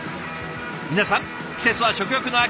皆さん季節は食欲の秋。